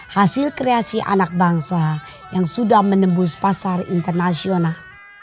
hasil kreasi anak bangsa yang sudah menembus pasar internasional